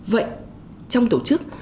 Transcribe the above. vậy trong tổ chức